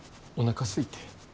おなかすいて。